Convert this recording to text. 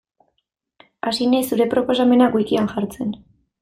Hasi naiz zure proposamenak wikian jartzen.